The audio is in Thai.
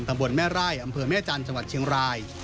ตำบลแม่ไร่อำเภอแม่จันทร์จังหวัดเชียงราย